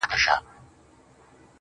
ما خو دا ټوله شپه~